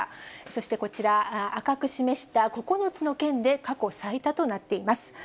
そしてこちら、赤く示した９つの県で、過去最多となっています。